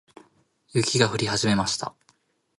雪が降り始めました。